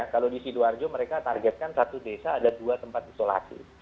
kalau di sidoarjo mereka targetkan satu desa ada dua tempat isolasi